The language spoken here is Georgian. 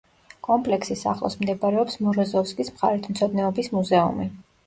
კომპლექსის ახლოს მდებარეობს მოროზოვსკის მხარეთმცოდნეობის მუზეუმი.